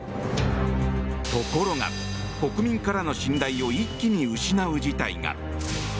ところが、国民からの信頼を一気に失う事態が。